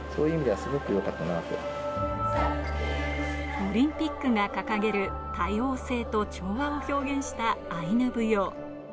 オリンピックが掲げる、多様性と調和を表現したアイヌ舞踊。